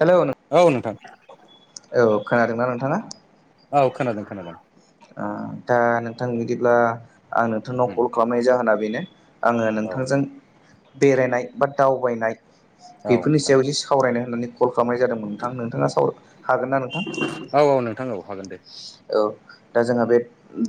Hello औ नोंथां औ खोनादोंना नोंथाङा औ खोनादों खोनादों ओ दा नोंथां बिदिब्ला आं नोंथांनाव उम कल खालामनाय जाहोना बेनो आङो औ नोंथांजों बेरायनाय बा दावबायनाय बेफोरनि नोंथां सायाव एसे सावरायनो होननानै कल खालामनाय जादोंमोन नोंथां नोंथाङा साव हागोन ना नोंथां औ औ नोंथां औ हागोन दे औ दा जोंहा बे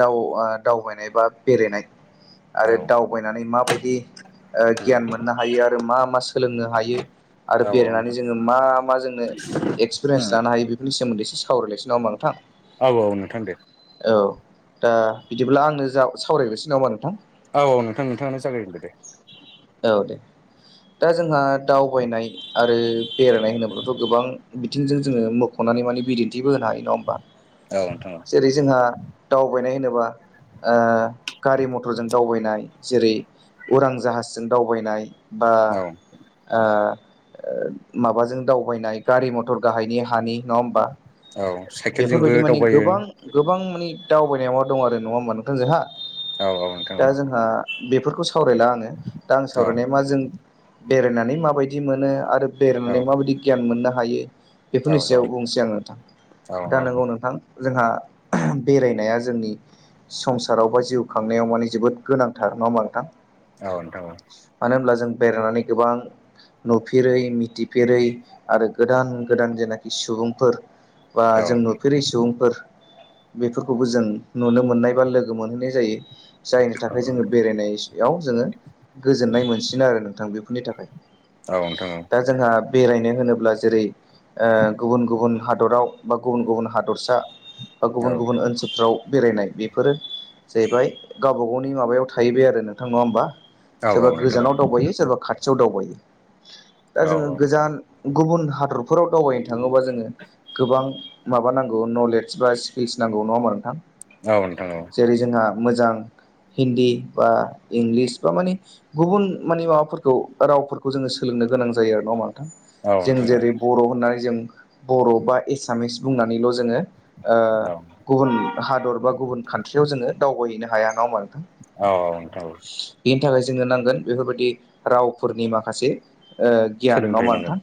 दावा दावबायनाय बा बेरायनाय आरो औ दावबायनानै माबायदि उम गियान मोननो हायो आरो मा मा सोलोंनो हायो आरो औ औ बेरायनानै नोंथां जोङो मा मा जोंनो एक्सपिरियेन्स उम लानो हायो बेफोरनि सोमोन्दै सो सावरायलायसै नामा नोंथां औ औ नोंथां दे औ दा बिदिब्ला आंनो जा सावरायग्रोसै नामा नोंथां औ औ नोंथां नोंथाङानो जागायदो दे औ दे दा जोंहा दावबायनाय आरो बेरायनाय होनोब्लाथ' गोबां बिथिंजों जोङो मख'नाय माने बिदिन्थिबो होनो हायो नङा होमबा औ नोंथां जेरै जोंहा दावबायनाय होनो बा गारि मथरजों दावबायनाय जेरै उरां जाहाजजों दावबायनाय बा औ माबाजों दावबायनाय गारि मथर गाहायनि हानि नङा होमबा औ साइकेल जोंबो बेफोरबायदि माने दावबाय गोबां गोबां मानि दावबायनायाव दं आरो नङा होमबा नोंथां जोंहा औ औ नोंथां औ दा जोंहा बेफोरखौ सावरायला आङो दा आं सावरायनाया मा जों बेरायनानै माबायदि मोनो आरो औ बेरायनानै माबायदि गियान मोननो हायो औ बेफोरनि सायाव बुंसै आं नोंथां औ दा नंगौ नोंथां जोंहा बेरायनाया जोंनि संसाराव बा जिउ खांनायाव माने जोबोद गोनांथार नङा होमबा नोंथां औ नोंथां औ नोंथां औ मानो होनब्ला जों बेरायनानै गोबां नुफेरै मिथिफेरै आरो गोदान गोदान जेनाखि सुबुंफोर बा औ जों नुफेरिस फोर बेफोरखौबो जों नुनो मोननाय बा लोगो मोनहैनाय जायो जायनि थाखाय जोङो बेरायनायाव जोङो गोजोननाय मोनसिनो आरो नोंथां बेफोरनि थाखाय औ नोंथां औ नोंथां औ दा जोंहा बेरायनो होनोब्ला जेरै गुबुन गुबुन हादराव बा गुबुन गुबुन हादरसा बा औ गुबुन गुबुन ओनसोलफ्राव बेरायनाय बेफोरो जाहैबाय गावबा गावनि माबायाव थाहैबाय आरो नोंथां नङा होमबा सोरबा गोजानाव दावबायो सोरबा खाथियाव दावबायो दा जोङो गोजान गुबुन हादरफोराव दावबायनो थाङोबा जोङो गोबां माबा नांगौ नलेदस बा स्किल्स नांगौ नङा होनबा नोंथां औ नोंथां औ जेरै जोंहा मोजां हिन्दी बा इंलिस बा माने गुबुन माने माबाफोरखौ रावफोरखौ जोङो सोलों गोनां जायो आरो नङा होनबा औ जों जेरै बर' होननानै जों बर' बा एसामिस बुंनानैल' जोङो गुबुन हादर बा गुबुन कान्ट्रियाव जोङो दावबायहैनो हाया ना आरो औ नोंथां औ नि थाखाय जोंनो नांगोन बेफोरबायदि रावफोरनि माखासे ओ गियान नङा सोलोंथाइ होनबा नांगोन नोंथां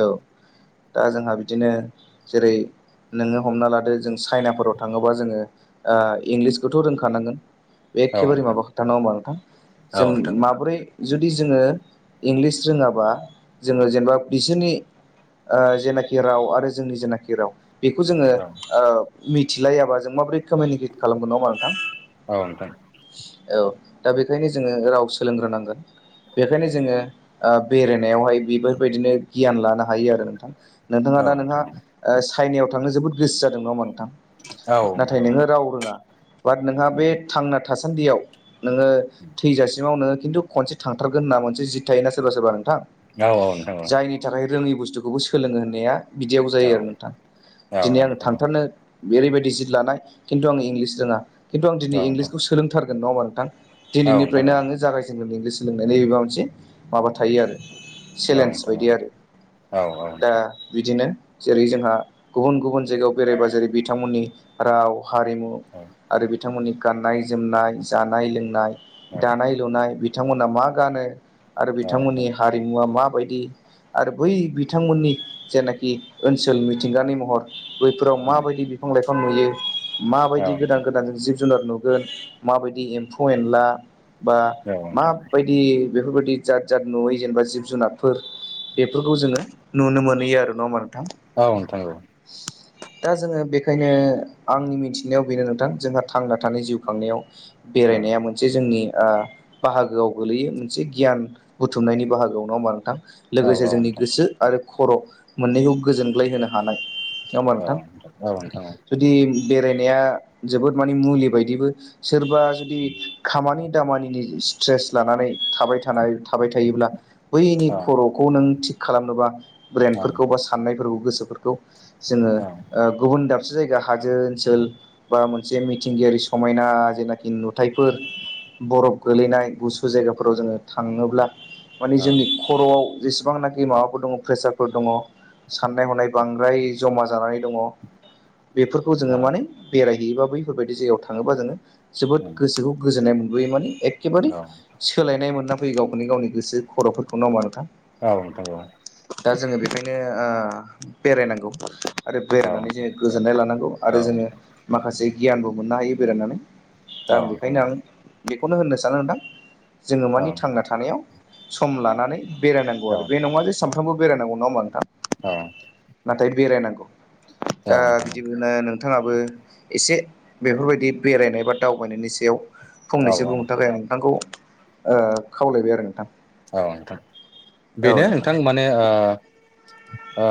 औ दा जोंहा बिदिनो जेरै नोङो हमना लादो जों चाइनाफोराव थाङोबा जोङो इंलिसखौथ' रोंखानांगोन बे औ एखेबारे नोंथां औ माबा खोथा नङा होनबा नोंथां जों नोंथां माबोरै जुदि जोङो इंलिस रोङाबा जोङो जेनेबा बिसोरनि जेनाखि राव आरो जोंनि जेनाखि राव बेखौ जोङो औ मिथिलायाबा जों माबोरै कमिउनिकेट खालामगोन नामा नोंथां। औ नोंथां औ दा बेखायनो जोङो राव सोलोंग्रोनांगोन बेखायनो जोङो बेरायनायावहाय बेफोरबायदिनो गियान लानो हायो आरो नोंथां। नोंथाङा औ दा नोंहा नोंथां औ चाइनायाव थांनो जोबोद गोसो जादों नङा होनबा नोंथां? औ नोंथां औ नाथाय नोङो राव रोङा बाट नोंहा बे थांना थासान्दियाव नोङो थैजासिमाव नो खिन्थु खनसे थांथारगोन होनना मोनसे जित थोना सोरबा सोरबा। नोंथां नोंथां जायनि थाखाय रोङै बुस्थुखौबो सोलोङो होननाया बिदियाव औ जायो आरो नोंथां। औ औ दिनै आङो नोंथां थांथारनो ओरैबायदि जित लानाय खिन्थु आं इंलिस रोङा खिन्थु आं दिनैं इंलिसखौ सोलोंथारगोन नङाोमा नोंथां औ नोंथां औ नोंथां दिनैनिफ्रायनो आो जागायजेनगोन इंलिसखौ सोलोंनायनि एबा। मोनसे माबा थायो आरो औ चेलेन्ज बायदि नोंथां आरो औ औ नोंथां दा बिदिनो। जेरै जोंहा गुबुन गुबुन जायगायाव बेरायबा जेरै बिथांमोननि राव हारिमु औ आरो बिथांमोननि गाननाय जोमनाय जानाय-लोंनाय औ दानाय लुनाय बिथांमोना मा गानो आरो औ नोंथां बिथांमोननि हारिमुवा मा बायदि आरो बै बिथांमोननि जेनाखि ओनसोल मिथिंगानि महर। बैफोराव माबायदि बिफां लाइफां नुयो औ माबायदि गोदान गोदान जिब जुनार नुगोन माबायदि एम्फौ एनला बा नोंथां माबायदि बेफोरबायदि जात जाद नुयै जेनेबा जिब-जुनारफोर बेफोरखौ जोङो नुनो मोनहैयो आरो नडा होनबा नोंथां। औ नोंथां औ। दा जोङो बेखायनो आंनि मिथिनायाव बेनो नोंथां जोंहा थांना थानाय जिउ खांनायाव। औ बेरायनाया मोनसे ओ जोंनि बाहागोआव गोलैयो मोनसे गियान बुथुमनायनि बाहागोआवनाव मा नोंथां औ लोगोसे जोंनि नोंथां गोसो आरो खर' मोननैखौ गोजोनग्लाय होनांगोन। हानाय नङा होमबा नोंथां जुदि बेरायनाया जोबोद माने मुलि बायदिबो सोरबा जुदि खामानि। खामानिनि स्ट्रेस लानानै। थाबाय थानाय थाबाय थायोब्ला बैनि खर'खौ नों थिग खालामनोबा। ब्रेन्डफोरखौ बा साननायफोरखौ गोसो जोङो ओ गुबुन दाब से जायगा हाजो ओनसोल बा मोनसे मिथिंगायारि समायना जेनाखि नुथायाइफोर बरफ गोलैनाय गुसु जायगाफोराव जोङो थाङोब्ला। मानि जोंनि खर'आव जेसेबांनाखि माबाफोर दङ प्रेसारफोर दङ साननाय हनाय। बांद्राय जमा जानानै दङ बेफोरखौ जोङो माने बेरायहैयोबा। बैफोरबायदि जायायाव थाङोबा जोङो जोबोद गोसोखौ गोजोन्नाय मोनबोयो माने। एखेबारे सोलायनाय मोनना फैयो गावखौनो गावनि गोसो खर'फोरखौ नङा होमबा नोंथां। औ नोंथां औ। दा जोङो बेखायनो बेरायनांगौ। आरो बेरायनानै जोङो गोजोननाय लानांगौ आरो जोङो माखासे गियानबो मोननो हायो बेरायनानै। दा आं बेखायनो आं बेखौनो होननो सानो नोंथां जोङो मानि थांना थानायाव। सम लानानै बेरायनांगौ आरो बे नङा जे सानफ्रोमबो बेरायनांगौ नङा होमबा नोंथां। औ नाथाय बेरायनांगौ दा बिदिनो नों। थाङाबो एसे बेफोरबायदि बेरायनाय बा दावबायनायनि सायाव। फंनैसो बुंनो थाखाय आं नोंथांखौ ओ खावलायबाय आरो नोंथां औ नोंथां बेनो नोंथां माने ओ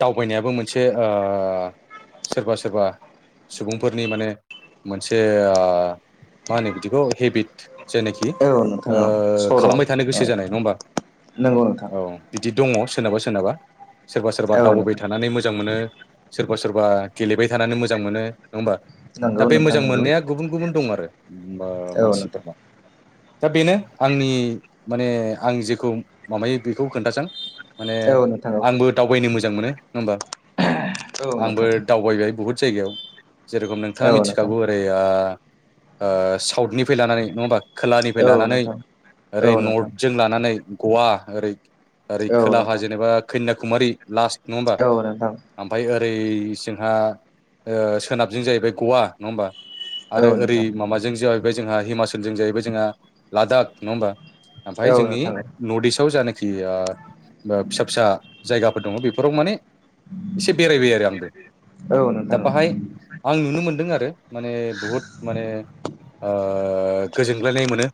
दावबायनायाबो मोनसे ओ सोरबा सोरबा सुबुंफोरनि माने मोनसे। मा होनो बिदिखौ हेबिट जेनाखि औ नोंथां औ नोंथां औ सर' खालामबाय थानो गोसो। औ नङा जानाय होमबा नंगौ नोंथां औ बिदि दङ सोरनाबा सोरनाबा। सोरबा सोरबा औ दावबायबाय नोंथां थानानै मोजां मोनो सोरबा सोरबा गेलेबाय थानानै मोजां मोनो। नङा होमबा दा नंगौ बे नोंथां मोजां नंगौ मोननाया गुबुन गुबुन दं आरो औ नोंथां मानसिफोरनाव दा बेनो आंनि माने आं जेखौ माबायो बेखौ खोन्थागोन माने औ नोंथां औ आंबो दावबायनो मोजां मोनो नङा होमबा। औ नोंथां औ नोंथां औ आंबो नोंथां दावबायबाय बुहुद। जायगायाव जेरेखम नोंथाङा औ नोंथां मिथिखागौ ओरै ओ साउथनिफ्राय लानानै नङा होमबा खोलानिफ्राय औ नोंथां औ नोंथां औ नोंथां औ नोंथां औ नोंथां औ लानानै ओरै नोंथां नर्थजों लानानै गवा ओरै ओरै खोलाहा जेनेबा कैन्याकुमारि लास नङा होमबा ओमफाय ओरै जोंहा सोनाबजों जाहैबाय गवा नङा होमबा? आरो ओरै माबाजों जाहैबाय जोंहा हिमाचोलजों जाहैबाय जोंहा लादाख नङा होमबा? ओमफाय जोंनि नर्थ इस्टाव जायनाखि फिसा फिसा जायगाफोर दङ बेफोराव माने एसे बेरायबाय आरो आंबो दा बाहाय आं नुनो मोनदों आरो। माने बुहुद माने गोजोनग्लायनाय मोनो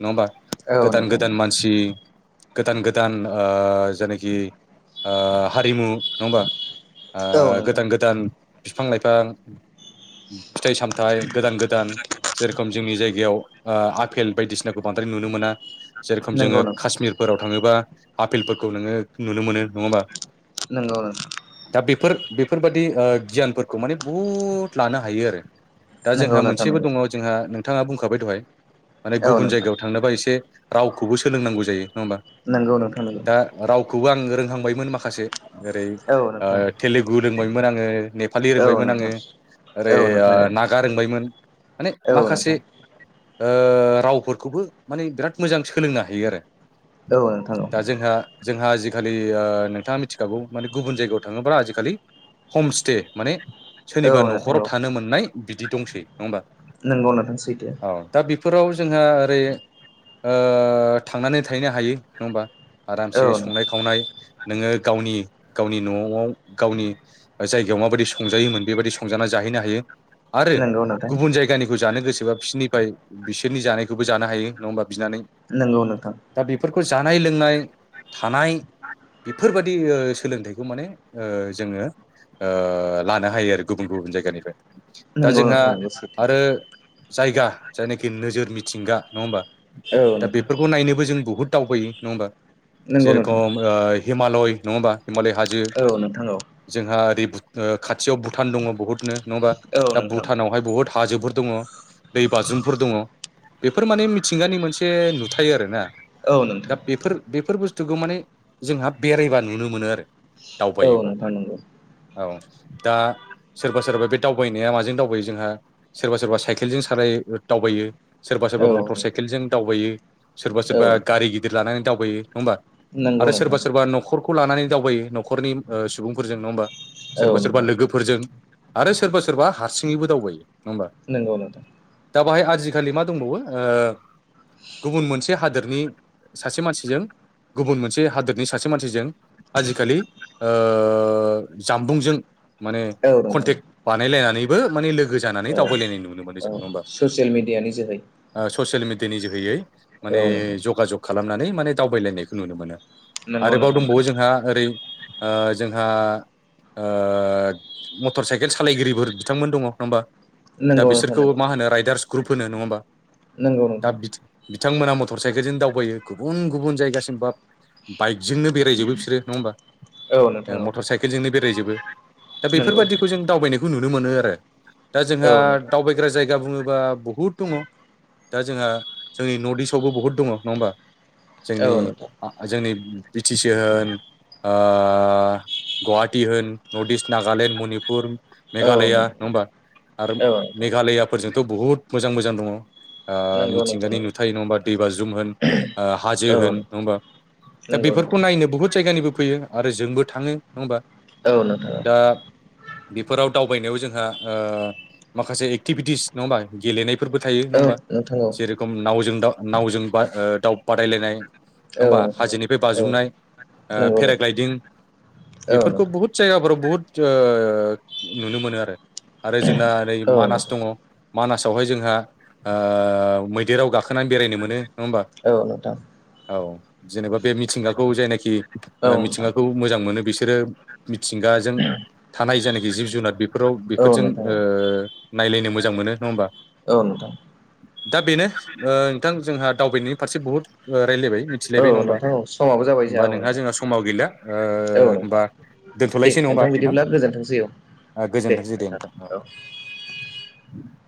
नङा होमबा? गोदान गोदान मानसि गोदान गोदान जेनोखि हारिमु नङा होमबा? औ नोंथां गोदान गोदान बिफां लाइफां फिथाइ सामथाइ गोदान गोदान जेरोखोम जोंनि जायगायाव आ फेल बायदिसिनाखौ बांद्राय नुनो मोना जेरोखोम नंगौ जोङो नोंथां काश्मिरफोराव थाङोबा आफेलफोरखौ नोङो नुनो मोनो नङा होमबा? नोंगौ [unintelligible] दा बेफोर बेफोरबादि गियानफोरखौ माने बुहुत लानो हायो आरो। दा नंगौ जोंहा नोंथां मोनसेबो नंगौ दङ जोंहा नोंथाङा बुंखाबाय दहाय माने औ गुबुन नोंथां जायगायाव थांनोबा एसे रावखौबो सोलोंनांगौ जायो नङा होमबा नंगौ नोंथां नंगौ दा राव खौबो आं रोंहांबायमोन माखासे जेरै औ नोंथां तेलेगु रोंबायमोन आङो नेपालि औ रोंबायमोन नोंथां आङो ओरै औ नोंथां औ नागा रोंबायमोन। माने औ माखासे नोंथां रावफोरखौबो माने बिराद मोजां सोलोंनो हायो आरो औ नोंथां दा जोंहा जोंहा जि जिखालि नोंथाङा मिथिखागौ माने गुबुन जायगायाव थाङोबा आजिखालि हमस्टे माने औ सोरनिबा नोंथां न'खराव औ थानो मोननाय बिदि दंसै। नङा होमबा नोंगौ नोंथां सैथो औ दा बेफोराव जोंहा ओरै थांनानै थाहैनो हायो नङा होमबा? आरामसे औ संनाय नोंथां खावनाय नोङो गावनि गावनि न'आव गावनि जायगायाव माबायदि संजायोमोन बेबायदि संजाना जाहै हैनो हायो। आरो नोंगौ नोंथां गुबुन जायगानिखौ जानो गोसोबा बिसोरनिफ्राय बिसोरनि जानायखौबो जानो हायो नङा होमबा? बिनानै नोंगौ नोंथां दा बेफोरखौ जानाय लोंनाय थानाय बेफोरबायदि सोलोंथाइखौ माने जोङो ओ लानो हायो आरो गुबुन गुबुन जायगानिफ्राय दा नोंगौ जोंहा नोंथां नोंगौ सैथो आरो जायगा जायनाखि नोजोर मिथिंगा नङा होमबा औ दा नोंथां बेफोरखौ नायनोबो जों बुहुद दावबोयो नङा होमबा नोंगौ नोंथां जेरेखम हिमालय नङा होमबा? हिमालय हाजो औ नोंथां औ जोंहा ओरै खाथियाव भुटान दङ बहुतनो। नङाबा औ दा नोंथां भुटानावहाय बुहुत हाजोफोर दङ दै बाजुमफोर दङ बेफोर माने मि थिंगानि मोनसे नुथाय आरो ना औ दा नोंथां बेफोर बेफोर बुस थुखौ माने जोंहा बेरायबा नुनो मोनो आरो औ दावबायोबा नोंथां औ दा सोरबा सोरबा बे दावबायनाया माजों दावबायो जोंहा सोरबा सोरबा साइकेलजों साल दावबायो। सोरबा सोरबा नंगौ औ मटर नोंथां साइकेलजों दावबायो सोरबा औ सोरबा गारि गिदिर लानानै दावबायो। नङा होमबा नंगौ आरो नोंथां सोरबा सोरबा न'खरखौ लानानै दावबायो न'खरनि सुबुं फोरजों नङा होमबा सोरबा औ सोरबा नोंथां लोगोफोरजों आरो सोरबा सोरबा हारसिङैबो दावबायो। नङा होमबा नोंगौ नोंथां दा बाहाय आजिखालि मा दंबावो गुबुन मोनसे हादोर नि सासे मानसिजों गुबुन मोनसे हादोरनि सासे मानसिजों आजिखालि जामबुंजों माने औ नोंथां कन्टेक्ट बानायलायनानैबो माने लो गो जानानै औ दावबायलायनाय नुनो मोनो जों औ नङा होमबा ससियेल मिडियानि जोहै ओ ससियेल मेडियानि जोहैयै माने औ नोंथां जगाजग खालामनानै माने दावबायलायनायखौ नुनो मोनो। नंगौ आरोबाव नोंथां दंबावो जोंहा ओरै जोंहा आ मटर साइकेल सालायगिरिफोर बिथांमोन दङ नङा होमबा दा नंगौ नोंथां बिसोरखौ नंगौ मा होनो राइडार्स ग्रुप होनो नङा होमबा नंगौ दा नोंथां बिथांमोना मटर साइकेलजों दावबायो गुबुन गुबुन जायगासिम बा बाइक जोंनो बेरायजोबो बिसोरो नङा होमबा औ नोंथां औ मटर साइकेलजोंनो बेरायजोबो दा नंगौ बेफोरबादिखौ जों दावबायनायखौ नुनो मोनो आरो दा औ जोंहा नोंथां दावबायग्रा जायगा बुङो बा बुहुत दङ दा जोंहा जोंनि नर्थ इस्ट आवबो बहुत दङ नङा होमबा औ जोंनि नोंथां जोंनि बि टि सि होन आ गुवाहाटी होन नर्थ इस्ट नागालेण्ड मनिपुर औ मेघालया नङा नोंथां होमबा आरो औ नोंथां मेघालयाफोरजोंथ' बुहुत मोजां मोजां दङ आ नंगौ नोंथां मिथिंगानि नंगौ नुथाय नङा होमबा दैबाज्रुम होन हाजो औ होन नङा होमबा दा नंगौ नोंथां बेफोरखौ नायनो बुहुद जायगानिबो फैयो आरो जोंबो थाङो नङा होमबा औ नोंथां दा बेफोराव दावबायनायाव जोंहा माखासे एक्टिभिटिस नङा होमबा गेलेनायफोरबो थायो नङा औ होमबा नोंथां जेरेखम नावजों दाउ नावजों दाउ बादायलायनाय नङा औ होमबा नोंथां हाजोनिफ्राय औ बाजुमनाय नंगौ नोंथां पेराग्लायदिं औ बेफोरखौ नोंथां बुहुत जायगाफोराव बुहुद नुनो मोनो आरो आरो जोंना ओरै औ मानास नोंथां दङ मानासावहाय जोंहा मैदेराव गाखोनानै बेरायनो मोनो नङा होमबा औ नोंथां औ नोंथां औ जेनेबा बे मिथिंगाखौ जायनाखि औ नोंथां मिथिंगाखौ मोजां मोनो बिसोरो मिथिंगाजों थानाय जायनाखि जिब जुनार बे बेफोराव औ बेफोरजों नायलायनो मोजां मोनो नङा होमबा औ नोंथां दा बेनो नोंथां जोंहा दावबायनायनि फारसे बुहुत रायज्लायबाय औ मिथिलायबाय नङा होमबा नोंथां औ समाबो जाबाय होमबा औ नोंहा नोंथां जोंहा समाव गैला औ नोंथां होनोमबा दे दोन्थलायसै नङा हबा नोंथां बिदिब्ला गोजोनथोंसै औ नोंथां गोजोनथोंसै दे नोंथां औ [inaudible]